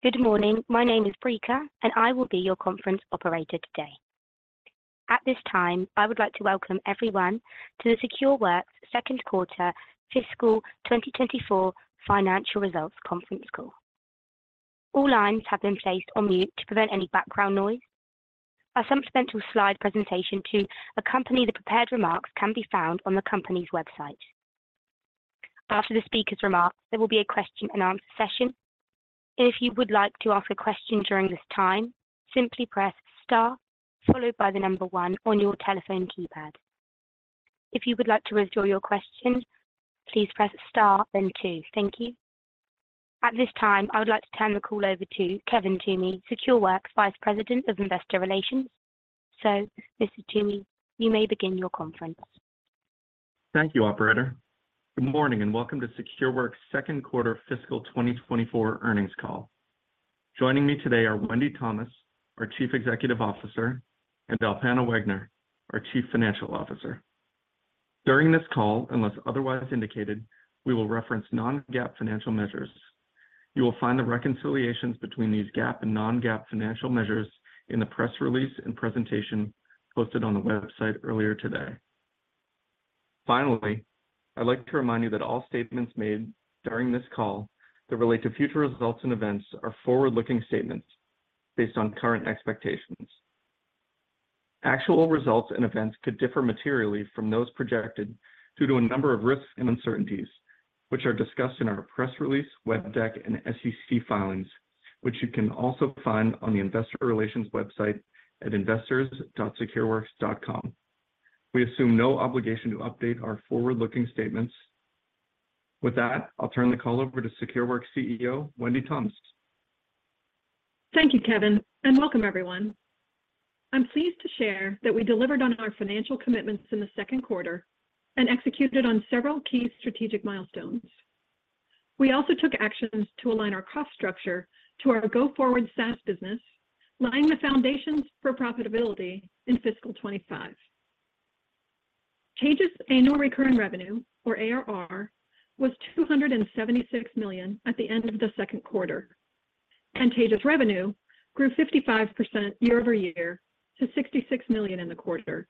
Good morning, my name is Rika and I will be your conference operator today. At this time I would like to welcome everyone to the Secureworks second quarter fiscal 2024 financial results conference call. All lines have been placed on mute to prevent any background noise. A supplemental slide presentation to accompany the prepared remarks can be found on the company's website. After the speaker's remarks there will be a question and answer session, and if you would like to ask a question during this time simply press star followed by one on your telephone keypad. If you would like to reserve your question please press star then two, thank you. At this time I would like to turn the call over to Kevin Toomey, Secureworks Vice President of Investor Relations, so Mr. Toomey you may begin your conference. Thank you operator. Good morning and welcome to Secureworks second quarter fiscal 2024 earnings call. Joining me today are Wendy Thomas, our Chief Executive Officer, and Alpana Wegner, our Chief Financial Officer. During this call, unless otherwise indicated, we will reference non-GAAP financial measures. You will find the reconciliations between these GAAP and non-GAAP financial measures in the press release and presentation posted on the website earlier today. Finally, I'd like to remind you that all statements made during this call that relate to future results and events are forward-looking statements based on current expectations. Actual results and events could differ materially from those projected due to a number of risks and uncertainties which are discussed in our press release, web deck, and SEC filings which you can also find on the Investor Relations website at investors.secureworks.com. We assume no obligation to update our forward-looking statements. With that I'll turn the call over to Secureworks CEO Wendy Thomas. Thank you Kevin and welcome everyone. I'm pleased to share that we delivered on our financial commitments in the second quarter and executed on several key strategic milestones. We also took actions to align our cost structure to our go-forward SaaS business, laying the foundations for profitability in fiscal 2025. Taegis' Annual Recurring Revenue, or ARR, was $276 million at the end of the second quarter, and Taegis' revenue grew 55% year-over-year to $66 million in the quarter.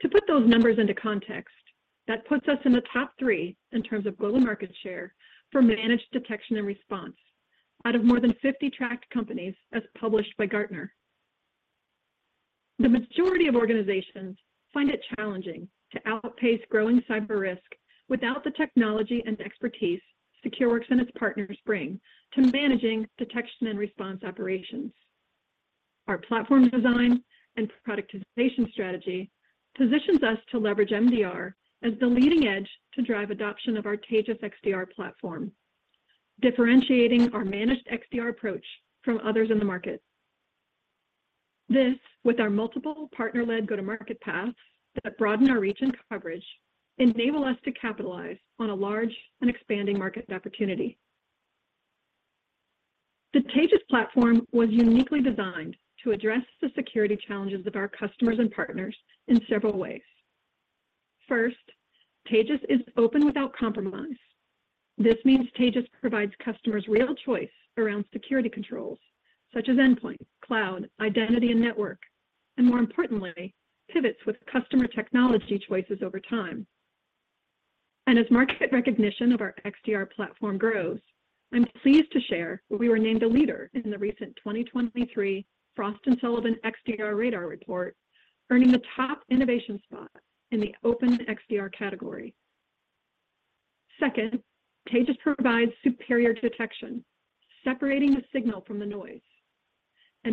To put those numbers into context, that puts us in the top three in terms of global market share for managed detection and response out of more than 50 tracked companies, as published by Gartner. The majority of organizations find it challenging to outpace growing cyber risk without the technology and expertise Secureworks and its partners bring to managing detection and response operations. Our platform design and productization strategy positions us to leverage MDR as the leading edge to drive adoption of our Taegis XDR platform, differentiating our Managed XDR approach from others in the market. This, with our multiple partner-led go-to-market paths that broaden our reach and coverage, enabled us to capitalize on a large and expanding market opportunity. The Taegis platform was uniquely designed to address the security challenges of our customers and partners in several ways. First, Taegis is open without compromise. This means Taegis provides customers real choice around security controls such as endpoint, cloud, identity, and network, and more importantly, pivots with customer technology choices over time. As market recognition of our XDR platform grows, I'm pleased to share we were named a leader in the recent 2023 Frost & Sullivan XDR Radar report, earning the top innovation spot in the open XDR category. Second, Taegis provides superior detection, separating the signal from the noise.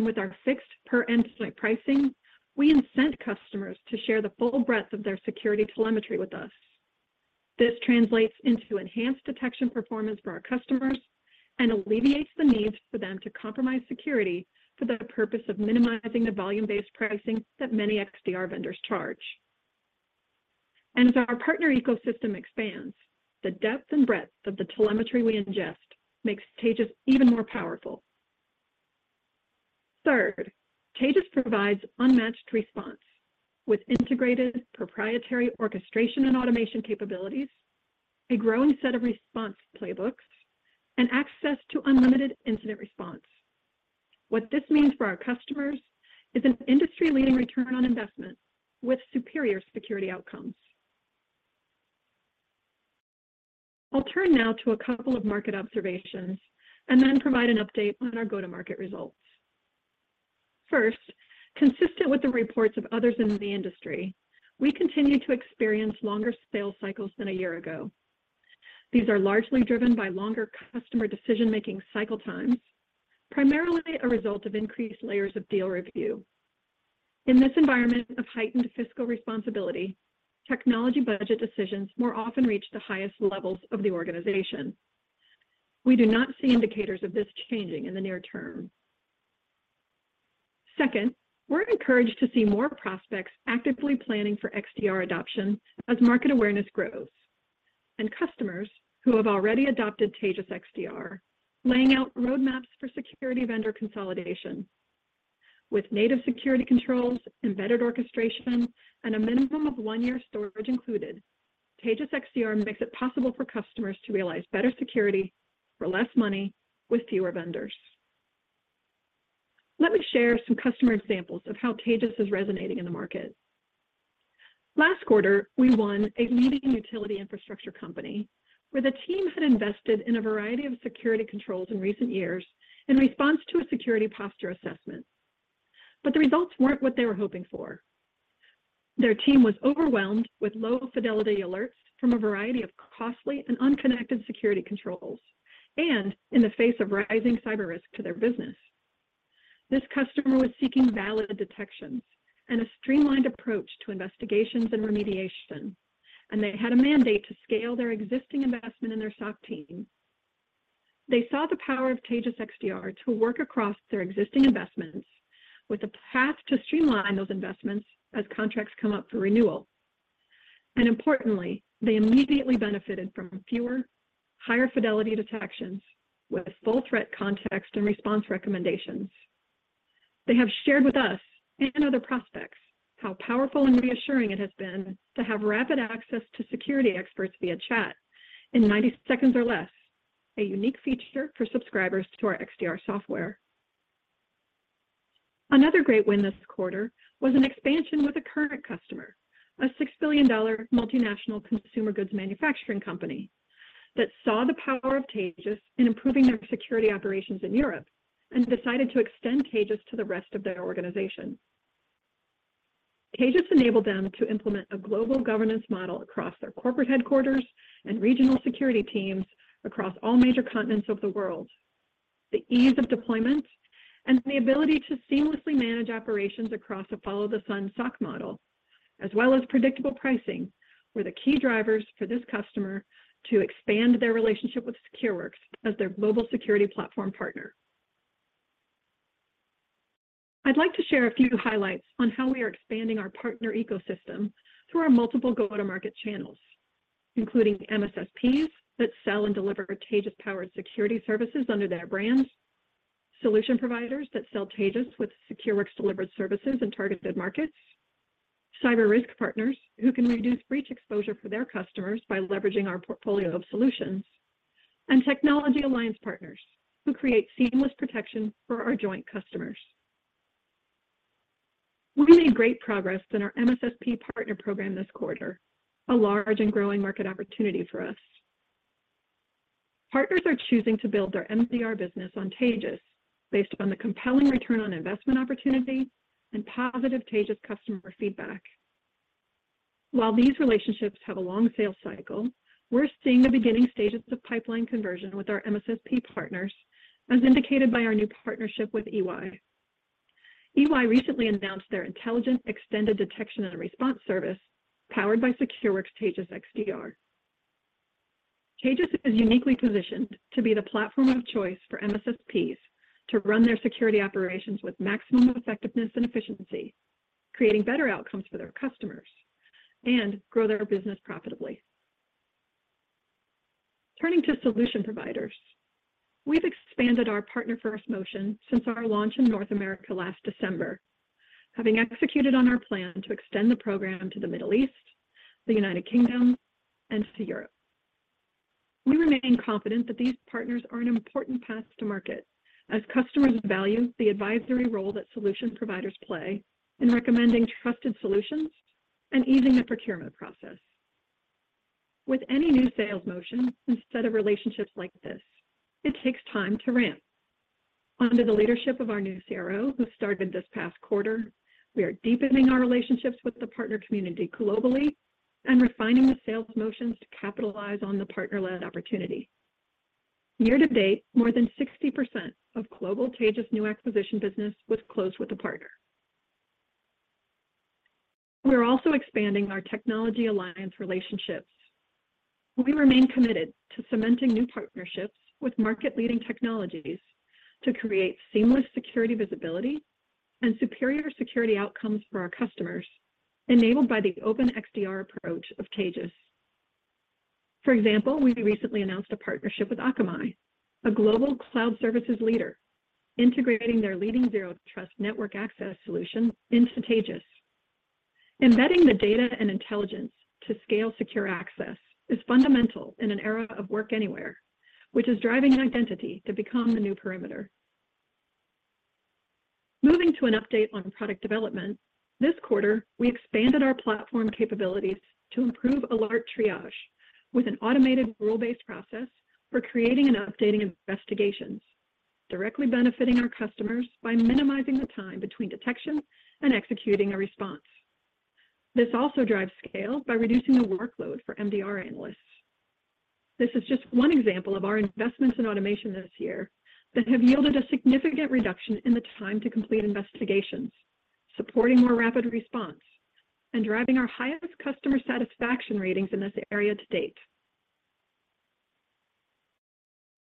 With our fixed per endpoint pricing, we incent customers to share the full breadth of their security telemetry with us. This translates into enhanced detection performance for our customers and alleviates the need for them to compromise security for the purpose of minimizing the volume-based pricing that many XDR vendors charge. As our partner ecosystem expands, the depth and breadth of the telemetry we ingest makes Taegis even more powerful. Third, Taegis provides unmatched response with integrated proprietary orchestration and automation capabilities, a growing set of response playbooks, and access to unlimited incident response. What this means for our customers is an industry-leading return on investment with superior security outcomes. I'll turn now to a couple of market observations and then provide an update on our go-to-market results. First, consistent with the reports of others in the industry, we continue to experience longer sales cycles than a year ago. These are largely driven by longer customer decision-making cycle time, primarily a result of increased layers of deal review. In this environment of heightened fiscal responsibility, technology budget decisions more often reach the highest levels of the organization. We do not see indicators of this changing in the near term. Second, we're encouraged to see more prospects actively planning for XDR adoption as market awareness grows, and customers who have already adopted Taegis XDR laying out roadmaps for security vendor consolidation. With native security controls, embedded orchestration, and a minimum of one-year storage included, Taegis XDR makes it possible for customers to realize better security for less money with fewer vendors. Let me share some customer examples of how Taegis is resonating in the market. Last quarter we won a meeting with a utility infrastructure company where the team had invested in a variety of security controls in recent years in response to a security posture assessment, but the results weren't what they were hoping for. Their team was overwhelmed with low fidelity alerts from a variety of costly and unconnected security controls and in the face of rising cyber risk to their business. This customer was seeking valid detection and a streamlined approach to investigations and remediation, and they had a mandate to scale their existing investment in their SOC team. They saw the power of Taegis XDR to work across their existing investments with a path to streamline those investments as contracts come up for renewal. Importantly, they immediately benefited from fewer, higher fidelity detections with full threat context and response recommendations. They have shared with us and other prospects how powerful and reassuring it has been to have rapid access to security experts via chat in 90 seconds or less, a unique feature for subscribers to our XDR software. Another great win this quarter was an expansion with a current customer, a $6 billion multinational consumer goods manufacturing company that saw the power of Taegis in improving their security operations in Europe and decided to extend Taegis to the rest of their organization. Taegis enabled them to implement a global governance model across their corporate headquarters and regional security teams across all major continents of the world. The ease of deployment and the ability to seamlessly manage operations across a Follow-the-Sun SOC model, as well as predictable pricing, were the key drivers for this customer to expand their relationship with Secureworks as their global security platform partner. I'd like to share a few highlights on how we are expanding our partner ecosystem through our multiple go-to-market channels, including MSSPs that sell and deliver Taegis-powered security services under their brands, solution providers that sell Taegis with Secureworks-delivered services in targeted markets, cyber risk partners who can reduce breach exposure for their customers by leveraging our portfolio of solutions, and technology alliance partners who create seamless protection for our joint customers. We made great progress in our MSSP partner program this quarter, a large and growing market opportunity for us. Partners are choosing to build their MDR business on Taegis based on the compelling return on investment opportunity and positive Taegis customer feedback. While these relationships have a long sales cycle, we're seeing the beginning stages of pipeline conversion with our MSSP partners, as indicated by our new partnership with EY. EY recently announced their intelligent extended detection and response service powered by Secureworks Taegis XDR. Taegis is uniquely positioned to be the platform of choice for MSSPs to run their security operations with maximum effectiveness and efficiency, creating better outcomes for their customers and grow their business profitably. Turning to solution providers, we've expanded our partner-first motion since our launch in North America last December, having executed on our plan to extend the program to the Middle East, the United Kingdom, and to Europe. We remain confident that these partners are an important path to market as customers value the advisory role that solution providers play in recommending trusted solutions and easing the procurement process. With any new sales motion instead of relationships like this, it takes time to ramp. Under the leadership of our new CRO who started this past quarter, we are deepening our relationships with the partner community globally and refining the sales motions to capitalize on the partner-led opportunity. Year to date, more than 60% of global Taegis new acquisition business was closed with the partner. We're also expanding our technology alliance relationships. We remain committed to cementing new partnerships with market-leading technologies to create seamless security visibility and superior security outcomes for our customers, enabled by the open XDR approach of Taegis. For example, we recently announced a partnership with Akamai, a global cloud services leader, integrating their leading zero trust network access solution into Taegis. Embedding the data and intelligence to scale secure access is fundamental in an era of work anywhere, which is driving identity to become the new perimeter. Moving to an update on product development, this quarter we expanded our platform capabilities to improve alert triage with an automated rule-based process for creating and updating investigations, directly benefiting our customers by minimizing the time between detection and executing a response. This also drives scale by reducing the workload for MDR analysts. This is just one example of our investments in automation this year that have yielded a significant reduction in the time to complete investigations, supporting more rapid response, and driving our highest customer satisfaction ratings in this area to date.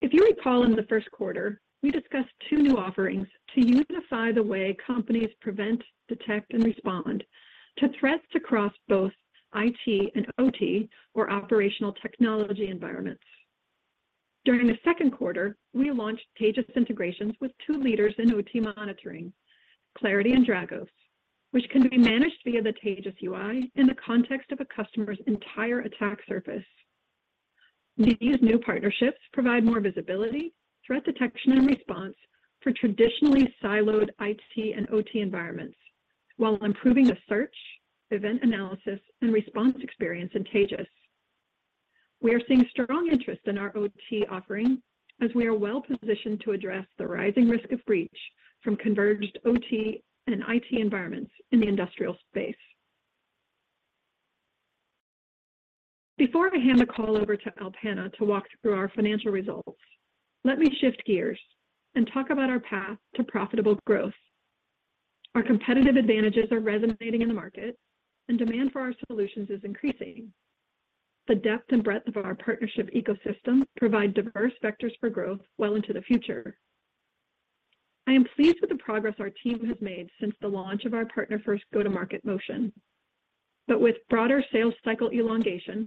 If you recall, in the first quarter we discussed two new offerings to unify the way companies prevent, detect, and respond to threats across both IT and OT, or operational technology environments. During the second quarter, we launched Taegis integrations with two leaders in OT monitoring, Claroty and Dragos, which can be managed via the Taegis UI in the context of a customer's entire attack surface. These new partnerships provide more visibility, threat detection, and response for traditionally siloed IT and OT environments while improving the search, event analysis, and response experience in Taegis. We are seeing strong interest in our OT offering as we are well positioned to address the rising risk of breach from converged OT and IT environments in the industrial space. Before I hand the call over to Alpana to walk through our financial results, let me shift gears and talk about our path to profitable growth. Our competitive advantages are resonating in the market, and demand for our solutions is increasing. The depth and breadth of our partnership ecosystem provide diverse vectors for growth well into the future. I am pleased with the progress our team has made since the launch of our partner-first go-to-market motion. But with broader sales cycle elongation,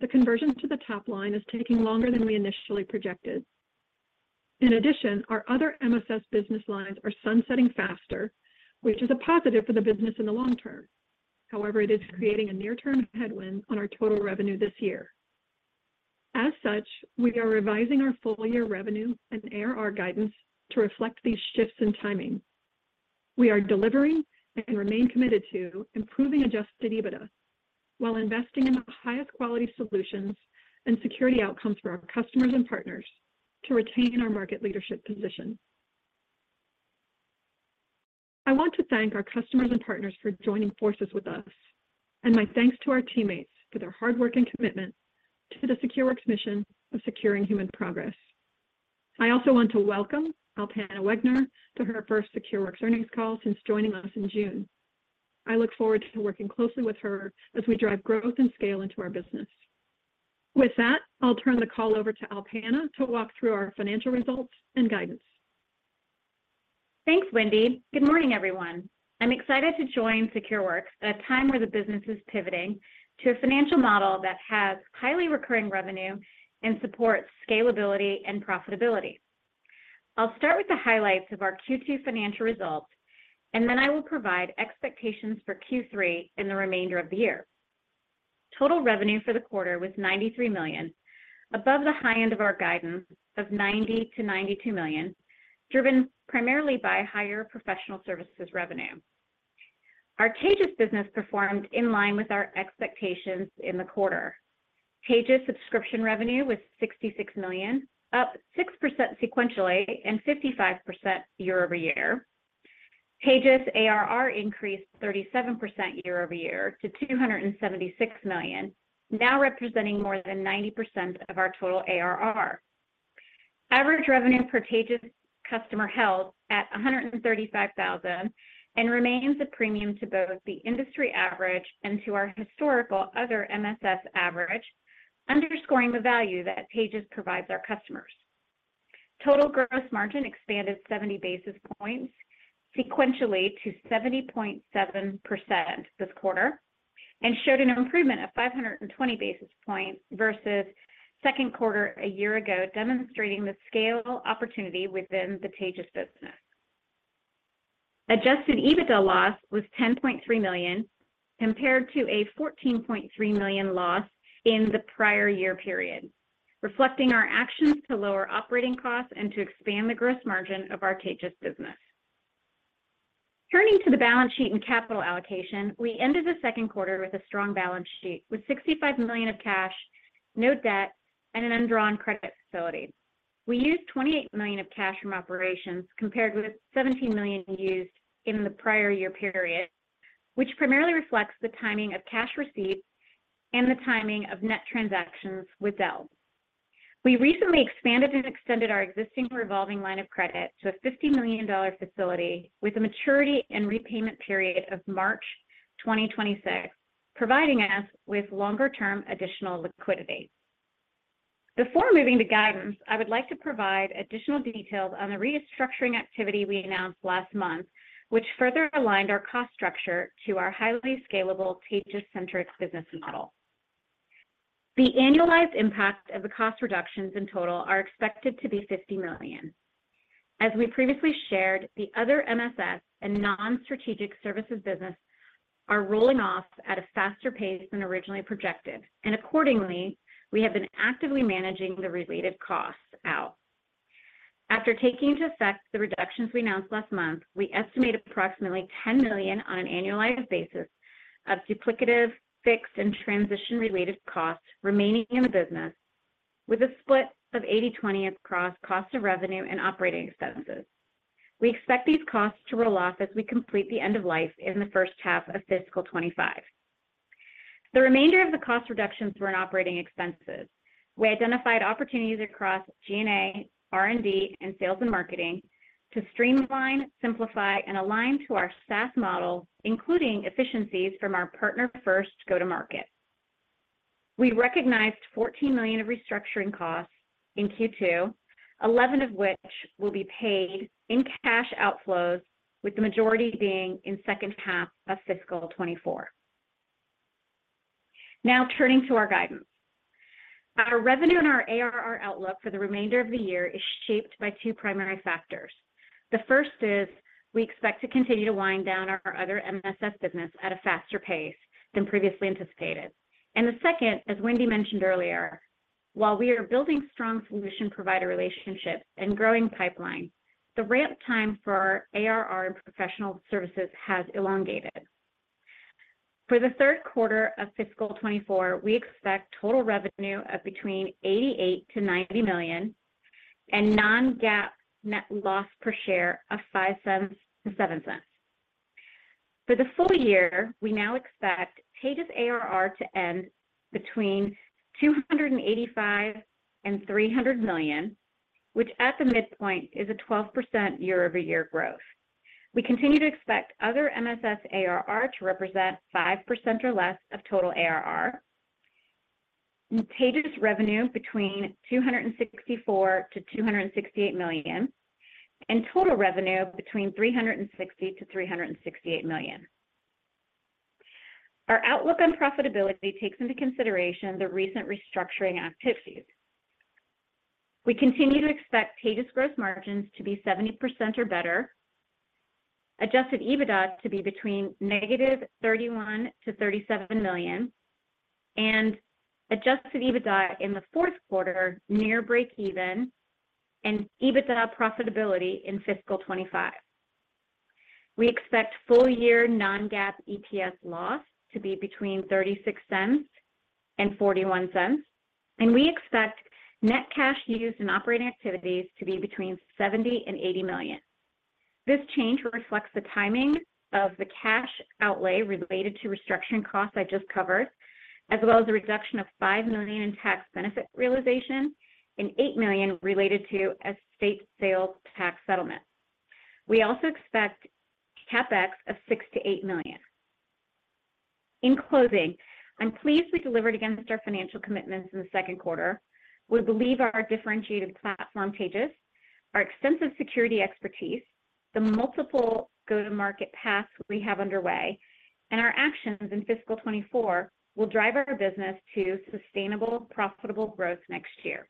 the conversion to the top line is taking longer than we initially projected. In addition, our other MSS business lines are sunsetting faster, which is a positive for the business in the long term. However, it is creating a near-term headwind on our total revenue this year. As such, we are revising our full-year revenue and ARR guidance to reflect these shifts in timing. We are delivering and remain committed to improving adjusted EBITDA while investing in the highest quality solutions and security outcomes for our customers and partners to retain our market leadership position. I want to thank our customers and partners for joining forces with us, and my thanks to our teammates for their hard work and commitment to the Secureworks mission of securing human progress. I also want to welcome Alpana Wegner to her first Secureworks earnings call since joining us in June. I look forward to working closely with her as we drive growth and scale into our business. With that, I'll turn the call over to Alpana to walk through our financial results and guidance. Thanks, Wendy. Good morning, everyone. I'm excited to join Secureworks at a time where the business is pivoting to a financial model that has highly recurring revenue and supports scalability and profitability. I'll start with the highlights of our Q2 financial results, and then I will provide expectations for Q3 in the remainder of the year. Total revenue for the quarter was $93 million, above the high end of our guidance of $90 million-$92 million, driven primarily by higher professional services revenue. Our Taegis business performed in line with our expectations in the quarter. Taegis subscription revenue was $66 million, up 6% sequentially and 55% year over year. Taegis ARR increased 37% year over year to $276 million, now representing more than 90% of our total ARR. Average revenue per Taegis customer held at $135,000 and remains a premium to both the industry average and to our historical other MSS average, underscoring the value that Taegis provides our customers. Total gross margin expanded 70 basis points sequentially to 70.7% this quarter and showed an improvement of 520 basis points versus second quarter a year ago, demonstrating the scale opportunity within the Taegis business. Adjusted EBITDA loss was $10.3 million compared to a $14.3 million loss in the prior year period, reflecting our actions to lower operating costs and to expand the gross margin of our Taegis business. Turning to the balance sheet and capital allocation, we ended the second quarter with a strong balance sheet with $65 million of cash, no debt, and an undrawn credit facility. We used $28 million of cash from operations compared with $17 million used in the prior year period, which primarily reflects the timing of cash receipts and the timing of net transactions with Dell. We recently expanded and extended our existing revolving line of credit to a $50 million facility with a maturity and repayment period of March 2026, providing us with longer-term additional liquidity. Before moving to guidance, I would like to provide additional details on the restructuring activity we announced last month, which further aligned our cost structure to our highly scalable Taegis-centric business model. The annualized impact of the cost reductions in total is expected to be $50 million. As we previously shared, the other MSS and non-strategic services businesses are rolling off at a faster pace than originally projected, and accordingly, we have been actively managing the related costs out. After taking into effect the reductions we announced last month, we estimate approximately $10 million on an annualized basis of duplicative, fixed, and transition-related costs remaining in the business, with a split of 80/20 across cost of revenue and operating expenses. We expect these costs to roll off as we complete the end of life in the first half of fiscal 2025. The remainder of the cost reductions were in operating expenses. We identified opportunities across G&A, R&D, and sales and marketing to streamline, simplify, and align to our SaaS model, including efficiencies from our partner-first go-to-market. We recognized $14 million of restructuring costs in Q2, $11 million of which will be paid in cash outflows, with the majority being in the second half of fiscal 2024. Now turning to our guidance. Our revenue and our ARR outlook for the remainder of the year is shaped by two primary factors. The first is we expect to continue to wind down our other MSS business at a faster pace than previously anticipated. And the second, as Wendy mentioned earlier, while we are building strong solution provider relationships and growing pipelines, the ramp time for our ARR and professional services has elongated. For the third quarter of fiscal 2024, we expect total revenue of between $88 million and $90 million and non-GAAP net loss per share of $0.05-$0.07. For the full year, we now expect Taegis ARR to end between $285 million and $300 million, which at the midpoint is a 12% year-over-year growth. We continue to expect other MSS ARR to represent 5% or less of total ARR, Taegis revenue between $264 million-$268 million, and total revenue between $360 million-$368 million. Our outlook on profitability takes into consideration the recent restructuring activities. We continue to expect Taegis gross margins to be 70% or better, adjusted EBITDA to be between -$31 million and $37 million, and adjusted EBITDA in the fourth quarter near break-even and EBITDA profitability in fiscal 2025. We expect full-year non-GAAP EPS loss to be between $0.36 and $0.41, and we expect net cash used in operating activities to be between $70 million and $80 million. This change reflects the timing of the cash outlay related to restructuring costs I just covered, as well as a reduction of $5 million in tax benefit realization and $8 million related to state sales tax settlement. We also expect CAPEX of $6 million-$8 million. In closing, I'm pleased we delivered against our financial commitments in the second quarter. We believe our differentiated platform, Taegis, our extensive security expertise, the multiple go-to-market paths we have underway, and our actions in fiscal 2024 will drive our business to sustainable, profitable growth next year.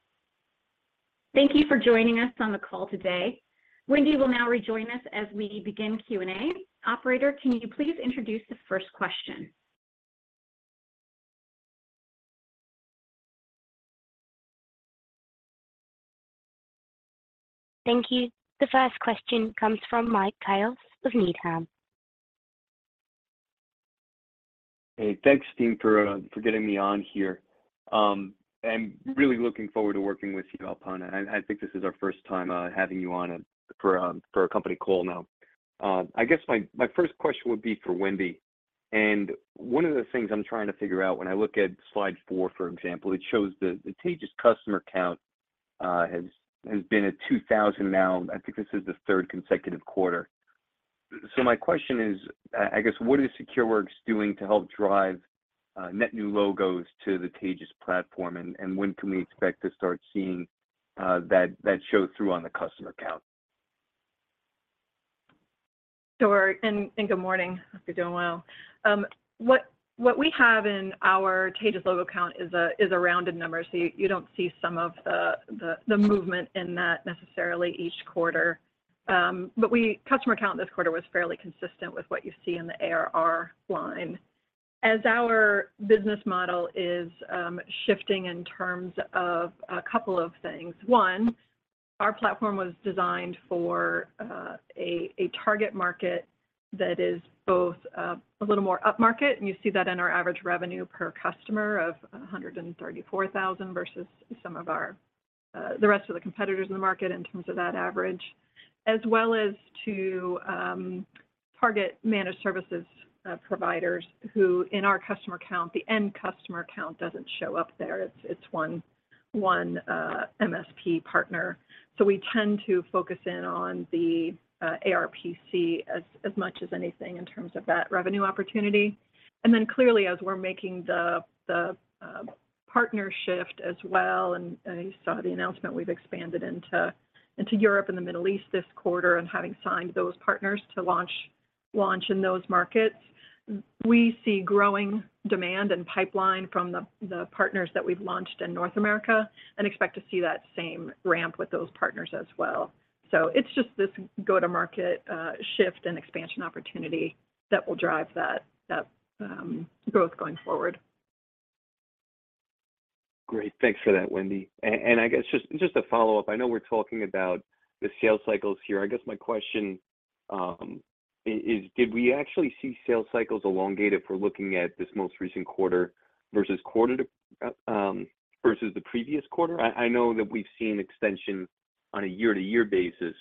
Thank you for joining us on the call today. Wendy will now rejoin us as we begin Q&A. Operator, can you please introduce the first question? Thank you. The first question comes from Mike Cikos of Needham. Hey, thanks, team, for getting me on here. I'm really looking forward to working with you, Alpana. I think this is our first time having you on for a company call now. I guess my first question would be for Wendy. And one of the things I'm trying to figure out when I look at slide four, for example, it shows the Taegis customer count has been at 2,000 now. I think this is the third consecutive quarter. So my question is, I guess, what is Secureworks doing to help drive net new logos to the Taegis platform, and when can we expect to start seeing that show through on the customer count? Sure. And good morning. Hope you're doing well. What we have in our Taegis logo count is a rounded number, so you don't see some of the movement in that necessarily each quarter. But customer count this quarter was fairly consistent with what you see in the ARR line. As our business model is shifting in terms of a couple of things, one, our platform was designed for a target market that is both a little more upmarket, and you see that in our average revenue per customer of $134,000 versus some of the rest of the competitors in the market in terms of that average, as well as to target managed services providers who, in our customer count, the end customer count doesn't show up there. It's one MSP partner. So we tend to focus in on the ARPC as much as anything in terms of that revenue opportunity. And then clearly, as we're making the partnership as well, and you saw the announcement we've expanded into Europe and the Middle East this quarter and having signed those partners to launch in those markets, we see growing demand and pipeline from the partners that we've launched in North America and expect to see that same ramp with those partners as well. So it's just this go-to-market shift and expansion opportunity that will drive that growth going forward. Great. Thanks for that, Wendy. And I guess just a follow-up. I know we're talking about the sales cycles here. I guess my question is, did we actually see sales cycles elongated if we're looking at this most recent quarter versus the previous quarter? I know that we've seen extension on a year-to-year basis,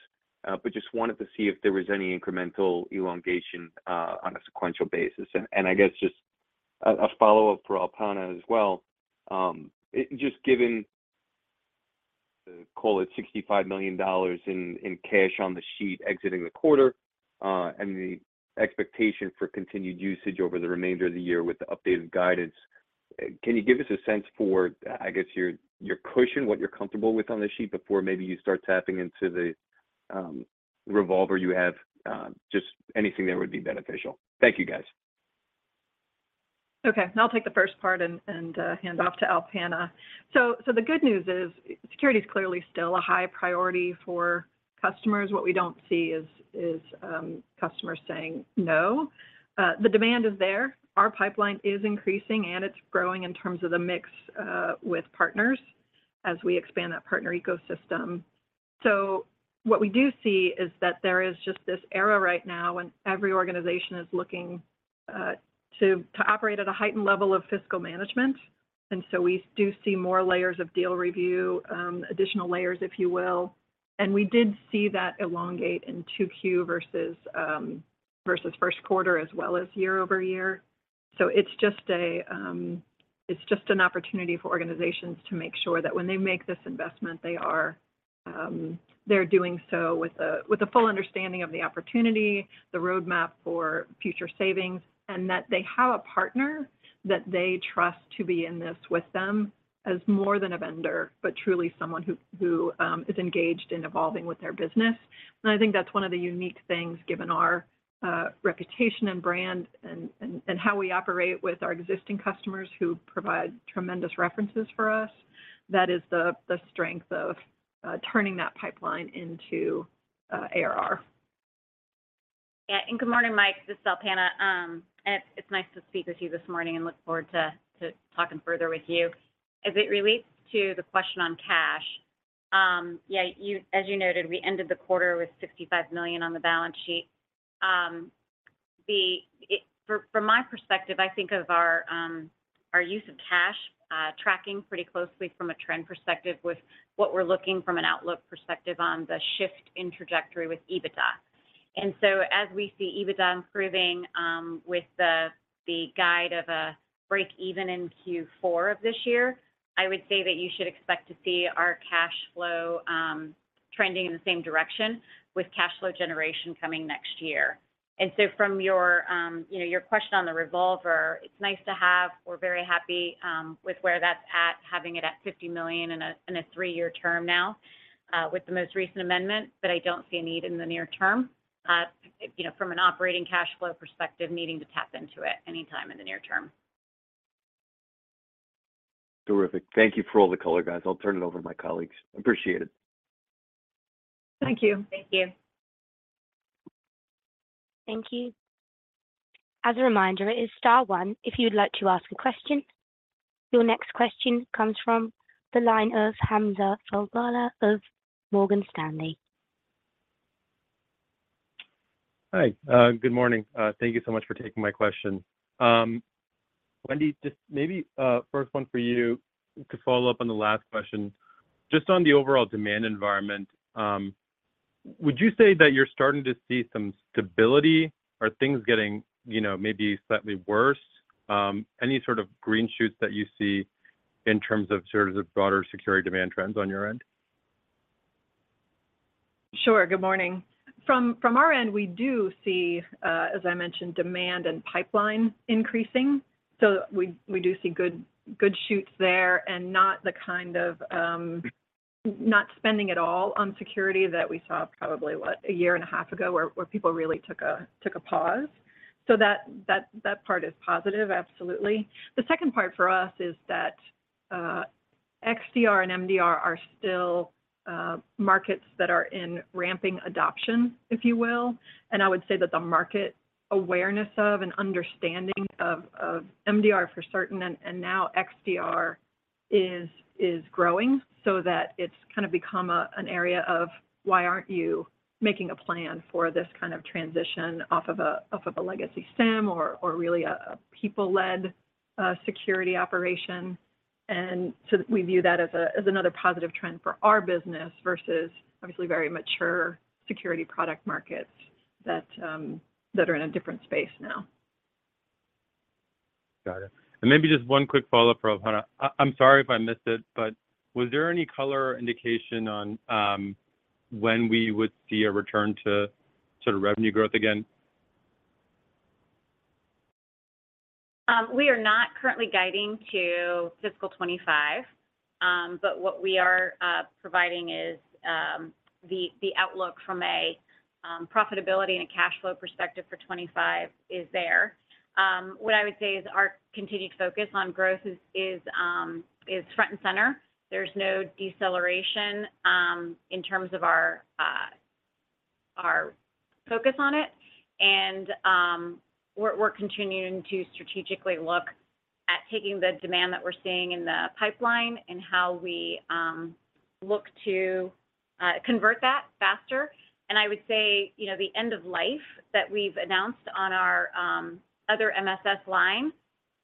but just wanted to see if there was any incremental elongation on a sequential basis. And I guess just a follow-up for Alpana as well. Just given the, call it, $65 million in cash on the sheet exiting the quarter and the expectation for continued usage over the remainder of the year with the updated guidance, can you give us a sense for, I guess, your cushion, what you're comfortable with on the sheet before maybe you start tapping into the revolver you have, just anything that would be beneficial? Thank you, guys. Okay. I'll take the first part and hand off to Alpana. So the good news is security is clearly still a high priority for customers. What we don't see is customers saying no. The demand is there. Our pipeline is increasing, and it's growing in terms of the mix with partners as we expand that partner ecosystem. So what we do see is that there is just this era right now when every organization is looking to operate at a heightened level of fiscal management. And so we do see more layers of deal review, additional layers, if you will. And we did see that elongate in 2Q versus first quarter as well as year-over-year. It's just an opportunity for organizations to make sure that when they make this investment, they're doing so with a full understanding of the opportunity, the roadmap for future savings, and that they have a partner that they trust to be in this with them as more than a vendor, but truly someone who is engaged in evolving with their business. I think that's one of the unique things, given our reputation and brand and how we operate with our existing customers who provide tremendous references for us, that is the strength of turning that pipeline into ARR. Yeah. And good morning, Mike. This is Alpana. It's nice to speak with you this morning and look forward to talking further with you. As it relates to the question on cash, yeah, as you noted, we ended the quarter with $65 million on the balance sheet. From my perspective, I think of our use of cash tracking pretty closely from a trend perspective with what we're looking from an outlook perspective on the shift in trajectory with EBITDA. And so as we see EBITDA improving with the guide of a break-even in Q4 of this year, I would say that you should expect to see our cash flow trending in the same direction with cash flow generation coming next year. And so from your question on the revolver, it's nice to have. We're very happy with where that's at, having it at $50 million in a three-year term now with the most recent amendment, but I don't see a need in the near term from an operating cash flow perspective needing to tap into it anytime in the near term. Terrific. Thank you for all the color, guys. I'll turn it over to my colleagues. Appreciate it. Thank you. Thank you. Thank you. As a reminder, it is star one if you would like to ask a question. Your next question comes from the line of Hamza Fodderwala of Morgan Stanley. Hi. Good morning. Thank you so much for taking my question. Wendy, just maybe first one for you to follow up on the last question. Just on the overall demand environment, would you say that you're starting to see some stability? Are things getting maybe slightly worse? Any sort of green shoots that you see in terms of sort of the broader security demand trends on your end? Sure. Good morning. From our end, we do see, as I mentioned, demand and pipeline increasing. So we do see green shoots there and not spending at all on security that we saw probably, what, a year and a half ago where people really took a pause. So that part is positive, absolutely. The second part for us is that XDR and MDR are still markets that are in ramping adoption, if you will. And I would say that the market awareness of and understanding of MDR for certain and now XDR is growing so that it's kind of become an area of, why aren't you making a plan for this kind of transition off of a legacy SIEM or really a people-led security operation? And so we view that as another positive trend for our business versus obviously very mature security product markets that are in a different space now. Got it. Maybe just one quick follow-up, Alpana. I'm sorry if I missed it, but was there any color indication on when we would see a return to sort of revenue growth again? We are not currently guiding to fiscal 2025, but what we are providing is the outlook from a profitability and a cash flow perspective for 2025 is there. What I would say is our continued focus on growth is front and center. There's no deceleration in terms of our focus on it. We're continuing to strategically look at taking the demand that we're seeing in the pipeline and how we look to convert that faster. I would say the end of life that we've announced on our other MSS line,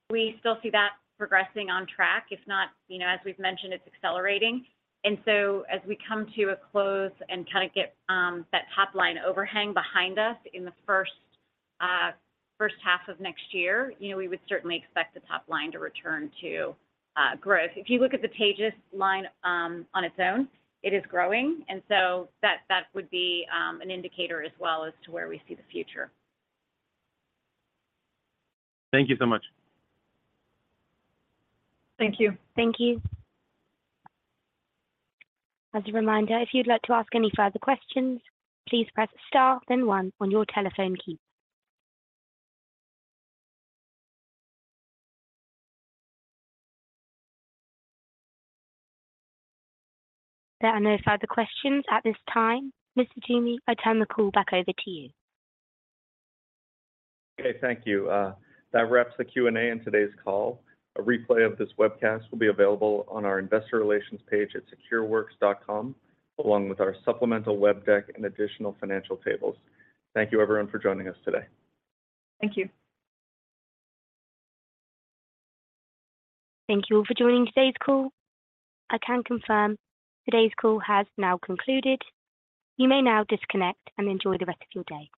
we still see that progressing on track, if not, as we've mentioned, it's accelerating. So as we come to a close and kind of get that top line overhang behind us in the first half of next year, we would certainly expect the top line to return to growth. If you look at the Taegis line on its own, it is growing. And so that would be an indicator as well as to where we see the future. Thank you so much. Thank you. Thank you. As a reminder, if you'd like to ask any further questions, please press star then one on your telephone key. There are no further questions at this time. Mr. Toomey, I turn the call back over to you. Okay. Thank you. That wraps the Q&A in today's call. A replay of this webcast will be available on our investor relations page at Secureworks.com, along with our supplemental web deck and additional financial tables. Thank you, everyone, for joining us today. Thank you. Thank you all for joining today's call. I can confirm today's call has now concluded. You may now disconnect and enjoy the rest of your day.